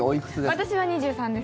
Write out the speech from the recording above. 私は２３です。